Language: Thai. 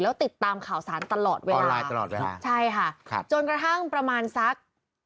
แล้วติดตามข่าวสารตลอดเวลาจนกระทั่งประมาณสัก